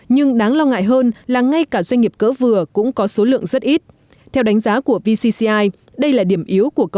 nhưng đáng lo ngại hơn là ngay cả doanh nghiệp cỡ vừa cũng có tầm cỡ